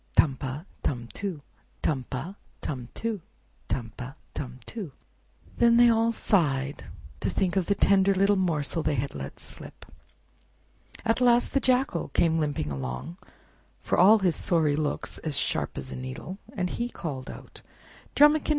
Tum pa, tum too; Tum pa, tum too; Tum pa, tum too!" Then they all sighed to think of the tender little morsel they had let slip. At last the Jackal came limping along, for all his sorry looks as sharp as a needle, and he too called out— "Drumikin!